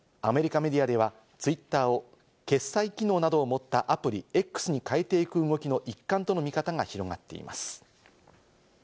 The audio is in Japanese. アメリカメディアではツイッターを決済機能などを持ったアプリ「Ｘ」に変えていく動きの一環との見方が広がっています。